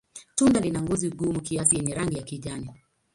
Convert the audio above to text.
Tunda lina ngozi gumu kiasi yenye rangi ya kijani.